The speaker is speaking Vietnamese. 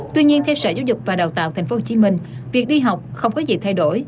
tuy nhiên theo sở giáo dục và đào tạo tp hcm việc đi học không có gì thay đổi